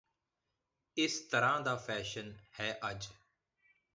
ਕਿਸ ਤਰ੍ਹਾਂ ਦਾ ਫੈਸ਼ਨ ਹੈ ਅੱਜ